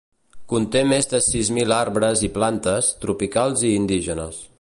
Conté més de sis mil arbres i plantes, tropicals i indígenes.